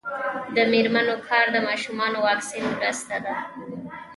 د میرمنو کار د ماشومانو واکسین مرسته ده.